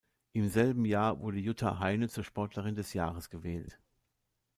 Im selben Jahr wurde Jutta Heine zur Sportlerin des Jahres gewählt.